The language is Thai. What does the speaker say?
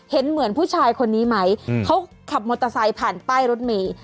เห็นเหมือนผู้ชายคนนี้ไหมเขาขับมอเตอร์ไซค์ผ่านป้ายรถเมย์